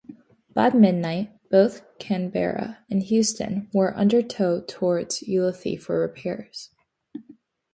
By midnight, both "Canberra" and "Houston" were under tow toward Ulithi for repairs.